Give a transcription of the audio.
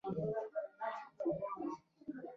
د بنسټونو بدلون پروسه مستعمرو ته وغځېده.